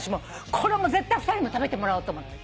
これは絶対２人にも食べてもらおうと思って。